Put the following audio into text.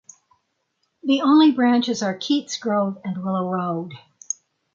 The only branches are Keats Grove and Willow Road.